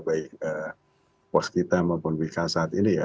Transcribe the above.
baik woskita maupun bk saat ini ya